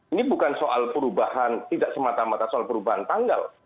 ini bukan soal perubahan tidak semata mata soal perubahan tanggal